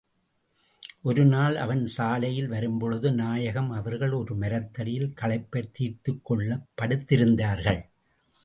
ஒரு நாள் அவன் சாலையில் வரும் பொழுது, நாயகம் அவர்கள் ஒரு மரத்தடியில் களைப்பைத் தீர்த்துக் கொள்ளப் படுத்திருந்தார்கள்.